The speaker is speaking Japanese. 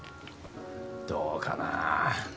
どうかな。